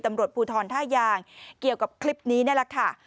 ตำรวจภูทรท่ายางเกี่ยวกับคลิปนี้นี่แหละค่ะ